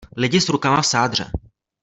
Lidi s rukama v sádře.